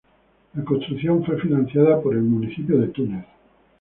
La construcción fue financiada por el municipio de Túnez.